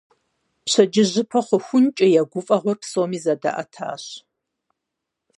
Пщэдджыжьыпэ хъухункӀэ я гуфӀэгъуэр псоми зэдаӀэтащ.